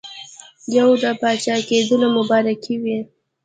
یو د پاچاکېدلو مبارکي وي.